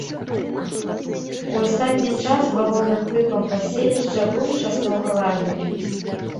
У астатні час галоўным тыпам паселішча быў часовы лагер.